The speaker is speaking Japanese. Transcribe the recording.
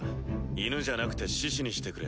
犬じゃなくて獅子にしてくれ。